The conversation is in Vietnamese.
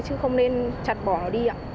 chứ không nên chặt bỏ nó đi ạ